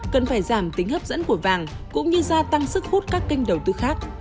cần phải giảm tính hấp dẫn của vàng cũng như gia tăng sức hút các kênh đầu tư khác